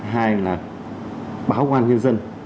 hai là báo công an nhân dân